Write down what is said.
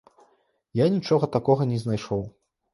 Я нічога такога не знайшоў.